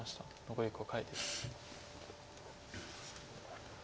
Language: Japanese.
残り５回です。